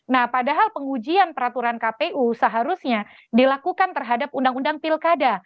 nah padahal pengujian peraturan kpu seharusnya dilakukan terhadap undang undang pilkada